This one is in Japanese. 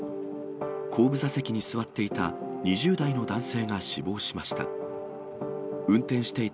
後部座席に座っていた２０代の男性が死亡しました。